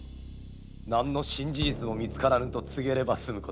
何の新事実も見つからぬと告げれば済むことです。